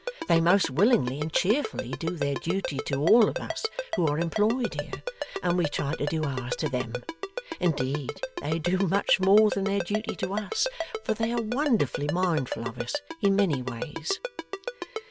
They most willingly and cheerfully do their duty to all of us who are employed here, and we try to do ours to them. Indeed they do much more than their duty to us, for they are wonderfully mindful of us in many ways.